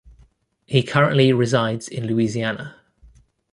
He currently resides in Louisiana.